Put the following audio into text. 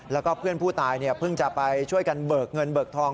แล้วก็เพื่อนผู้ตายเพิ่งจะไปช่วยกันเบิกเงินเบิกทอง